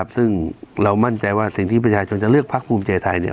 ซึ่งเรามั่นใจว่าสิ่งที่ประชาชนจะเลือกพักภูมิใจไทย